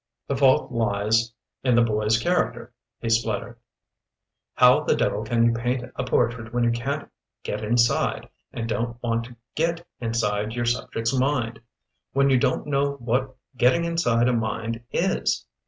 "The fault lies in the boy's character", he spluttered. "How the devil can you paint a portrait when you can't get inside, and don't want to get inside your subject's mind? When you don't know what getting inside a mind is?